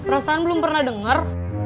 rasaan belum pernah dengar